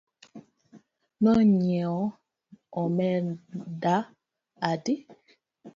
No nyiewo omenda adi